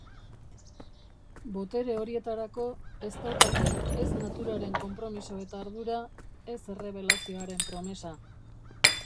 Botere horietarako ez daukate ez naturaren konpromiso eta ardura, ez errebelazioaren promesa.